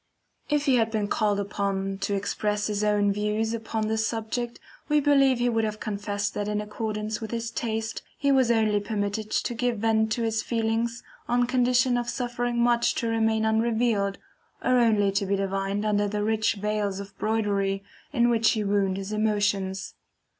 If he had been called upon to express his own views upon this subject, we believe he would have confessed that in accordance with his taste, he was only permitted to give vent to his feelings on condition of suffering much to remain unrevealed, or only to be divined under the rich veils of broidery in which he wound his emotions.